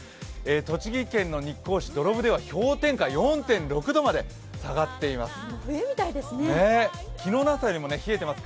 栃木県の日光市、土呂部では氷点下４．６度まで冷えてます。